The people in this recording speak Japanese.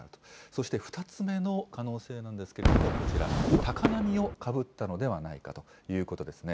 そして２つ目の可能性なんですけれども、こちら、高波をかぶったのではないかということですね。